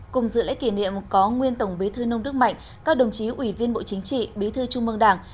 cùng dự lễ kỷ niệm có nguyên tổng bí thư nông đức mạnh các đồng chí ủy viên bộ chính trị bí thư trung mương đảng